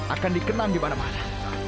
akan dikenang di mana mana